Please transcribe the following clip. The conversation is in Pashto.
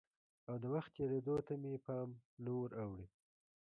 او د وخت تېرېدو ته مې پام نه وراوړي؟